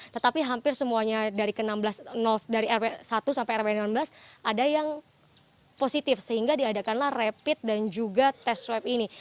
tetapi hampir semuanya dari rw satu sampai rw enam belas ada yang positif sehingga diadakanlah rapid dan juga tes swab ini